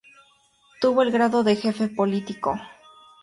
Tuvo el grado de jefe político.